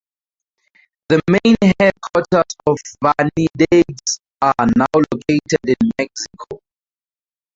The main headquarters of "Vanidades" are now located in Mexico.